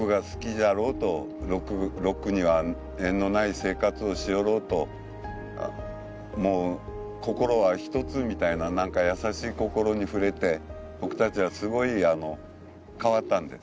じゃろうとロックには縁のない生活をしよろうともう心は一つみたいな何か優しい心に触れて僕たちはすごいあの変わったんです